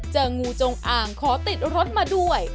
เจองูจงอ่างขอติดรถมาด้วย